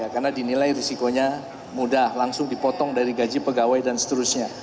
karena dinilai risikonya mudah langsung dipotong dari gaji pegawai dan seterusnya